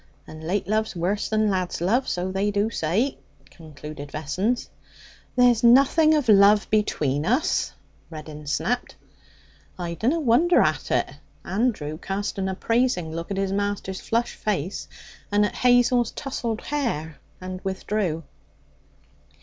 'And late love's worse than lad's love, so they do say,' concluded Vessons. 'There's nothing of love between us,' Reddin snapped. 'I dunna wonder at it!' Andrew cast an appraising look at his master's flushed face and at Hazel's tousled hair, and withdrew.